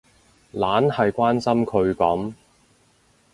懶係關心佢噉